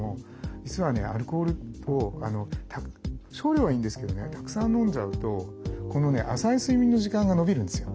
実はねアルコールを少量はいいんですけどねたくさん飲んじゃうとこのね浅い睡眠の時間が延びるんですよ。